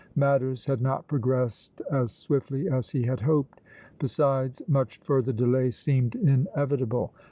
Matters had not progressed as swiftly as he had hoped. Besides, much further delay seemed inevitable.